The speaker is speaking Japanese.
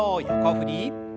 横振り。